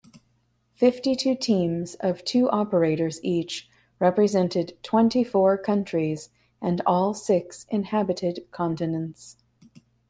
Fifty-two teams of two operators each represented twenty-four countries and all six inhabited continents.